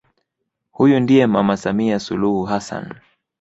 Huyu ndiye mama Samia Suluhu Hassan